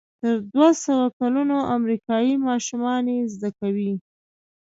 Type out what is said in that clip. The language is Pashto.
تر دوهسوه کلونو امریکایي ماشومان یې زده کوي.